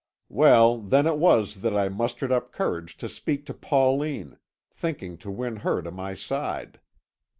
Well, then it was that I mustered up courage to speak to Pauline, thinking to win her to my side.